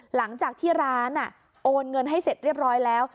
หลังจากที่ร้านโอนเงินให้เสร็จเรียบร้อยแล้ว